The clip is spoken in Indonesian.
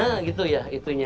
ha gitu ya itunya